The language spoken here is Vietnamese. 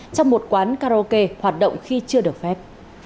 trong một quán karaoke hoạt động khi chưa được phép